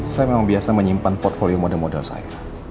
saya memang biasa menyimpan portfolio model model saya